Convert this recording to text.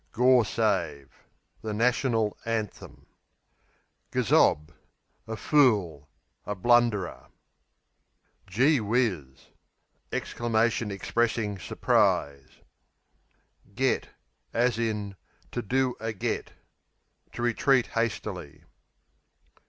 Gawsave The National Anthem. Gazob A fool; a blunderer. Geewhizz Exclamation expressing surprise. Get, to do a To retreat hastily.